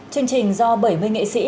chương trình do bảy mươi nghệ sĩ